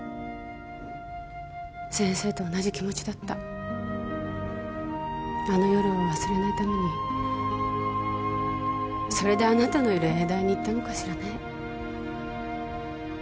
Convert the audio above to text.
センセと同じ気持ちだったあの夜を忘れないためにそれであなたのいる永大に行ったのかしらね